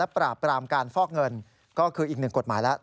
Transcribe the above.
ปราบปรามการฟอกเงินก็คืออีกหนึ่งกฎหมายแล้ว